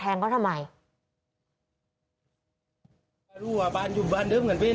เพราะถูกทำร้ายเหมือนการบาดเจ็บเนื้อตัวมีแผลถลอก